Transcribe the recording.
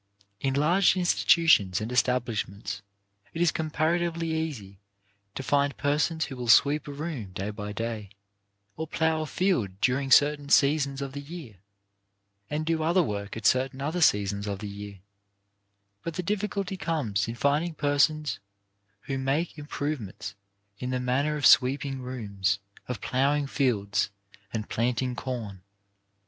In large in stitutions and establishments it is comparatively easy to find persons who will sweep a room day by day, or plough a field during certain seasons of the year, and do other work at certain other seasons of the year, but the difficulty comes in finding per WHAT 'IS TO BE OUR FUTURE? 169 sons who make improvements in the manner of sweeping rooms, of ploughing fields and planting corn.